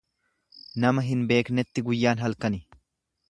Nama hin beeknetti guyyaan halkani.